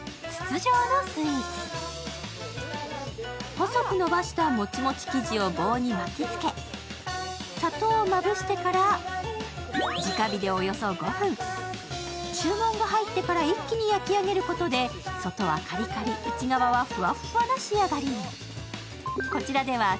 細く伸ばしたモチモチ生地を棒に巻きつけ、砂糖をまぶしてからじか火でおよそ５分、注文が入ってから一気に焼き上げることで外はカリカリ、内側はふわっふわな仕上がりに。